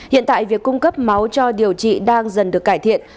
hiện tại việc cung cấp máu cho điều trị đang dần được cải thiện